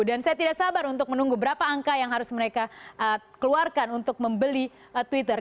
dan saya tidak sabar untuk menunggu berapa angka yang harus mereka keluarkan untuk membeli twitter